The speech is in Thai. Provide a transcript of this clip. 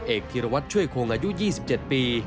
๑๐เอกที่ระวัดช่วยโคงอายุ๒๗ปี